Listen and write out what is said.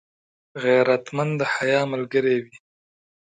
غیرتمند د حیا ملګری وي